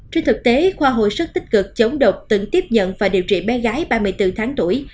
trên thực tế khoa hồi sức tích cực chống độc từng tiếp nhận và điều trị bé gái ba mươi bốn tháng tuổi